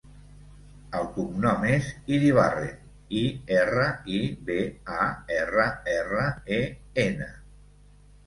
El cognom és Iribarren: i, erra, i, be, a, erra, erra, e, ena.